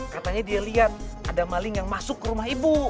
katanya dia lihat ada maling yang masuk ke rumah ibu